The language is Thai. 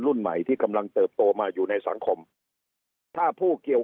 รุ่นใหม่ที่กำลังเติบโตมาอยู่ในสังคมถ้าผู้เกี่ยว